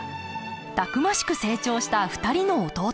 たくましく成長した２人の弟。